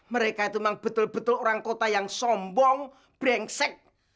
mereka itu memang betul betul orang kota yang sombong brengsek